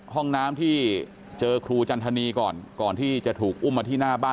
ห้องน้ำที่เจอครูจันทนีก่อนก่อนที่จะถูกอุ้มมาที่หน้าบ้าน